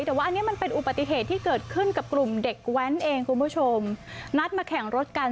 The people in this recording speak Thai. แต่ว่าอันนี้มันเป็นอุบัติเหตุที่เกิดขึ้นกับกลุ่มเด็กแว้นเองคุณผู้ชมนัดมาแข่งรถกัน